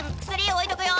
置いとくよ。